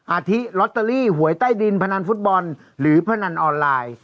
อาทิลอตเตอรี่หวยใต้ดินพนันฟุตบอลหรือพนันออนไลน์